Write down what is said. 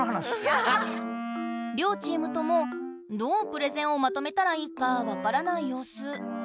両チームともどうプレゼンをまとめたらいいかわからないようす。